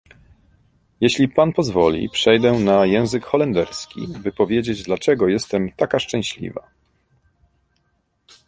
Jeśli pan pozwoli, przejdę na język holenderski, by powiedzieć, dlaczego jestem taka szczęśliwa!